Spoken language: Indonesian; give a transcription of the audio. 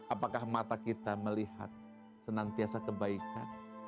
apakah mata kita melihat senantiasa kebaikan